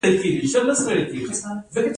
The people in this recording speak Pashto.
د لوبیا کښت په کروندو کې کیږي.